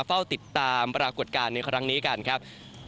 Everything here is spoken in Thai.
เฝ้าติดตามปรากฏการณ์ในครั้งนี้กันครับ